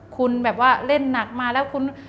คุณแบบว่าเล่นหนักมาแล้วคุณ